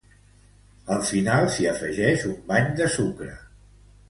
Al final, s'hi afegix un bany de sucre.